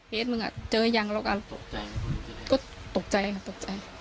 เฟสมึงอะเจอยังบ้างตกใจนะตกใจตกใจ